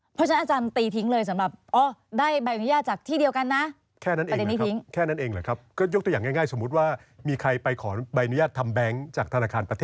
เพราะฉะนั้นอาจารย์ตีทิ้งเลยสำหรับได้ใบอนุญาตจากที่เดียวกันนะ